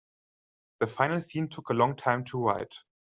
The final scene took a long time to write.